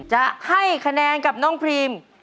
จะให้คะแนนกับน้องพรีม